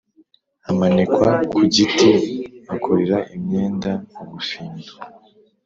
Amanikwa kugiti bakorera imyenda ubufindu